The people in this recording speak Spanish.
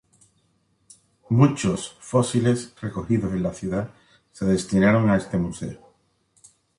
Muchos fósiles recogidos en la ciudad se destinaron a este museo.